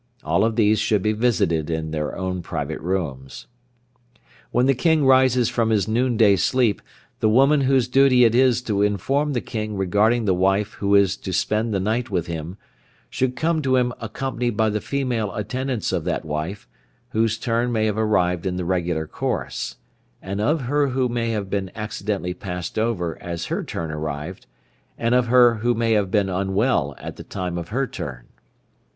All of these should be visited in their own private rooms. When the King rises from his noonday sleep, the woman whose duty it is to inform the King regarding the wife who is to spend the night with him should come to him accompanied by the female attendants of that wife whose turn may have arrived in the regular course, and of her who may have been accidentally passed over as her turn arrived, and of her who may have been unwell at the time of her turn.